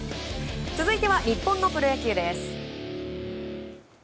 続いては日本のプロ野球です。